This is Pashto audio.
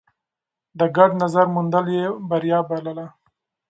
د ګډ نظر موندل يې بريا بلله.